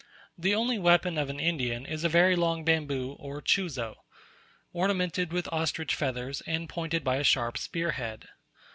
The only weapon of an Indian is a very long bamboo or chuzo, ornamented with ostrich feathers, and pointed by a sharp spearhead.